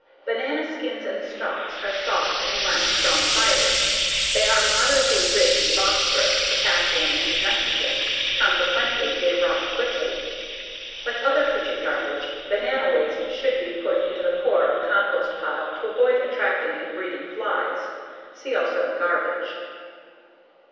_Banana skins _and stalks are soft and lack strong fiber. They are moderately rich in phosphorus, potassium, and nitrogen. Consequently they rot quickly. Like other kitchen garbage, banana waste should be put into the core of a compost pile to avoid attracting and breeding flies. See also: _Garbage.